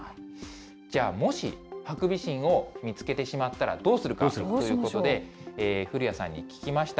じゃあもし、ハクビシンを見つけてしまったらどうするかということで、古谷さんに聞きました。